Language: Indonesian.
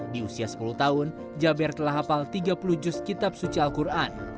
di usia sepuluh tahun jaber telah hafal tiga puluh juz kitab suci al quran